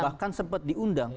bahkan sempat diundang